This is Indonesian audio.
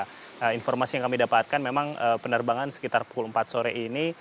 nah informasi yang kami dapatkan memang penerbangan sekitar pukul empat sore ini